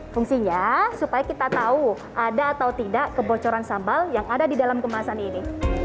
fungsinya supaya kita tahu ada atau tidak kebocoran sambal yang ada di dalam kemasan ini